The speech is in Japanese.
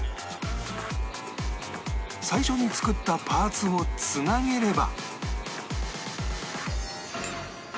最初に作ったパーツをつなげれば